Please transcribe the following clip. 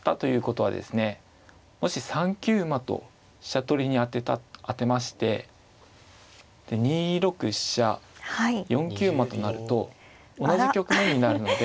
もし３九馬と飛車取りに当てましてで２六飛車４九馬となると同じ局面になるので。